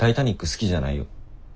好きじゃないよ。